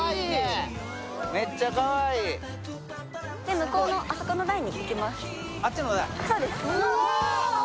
向こうのあそこの台に行きます。